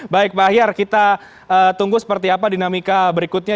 baik pak ahyar kita tunggu seperti apa dinamika berikutnya